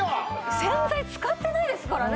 洗剤使ってないですからね。